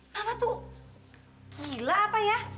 apa tuh gila apa ya